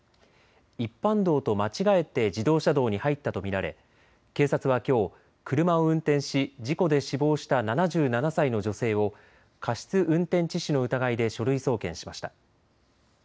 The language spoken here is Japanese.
一般道と間違えて自動車道に入ったと見られ警察はきょう車を運転し事故で死亡した７７歳の女性を過失運転致死の疑いで書類送検しました。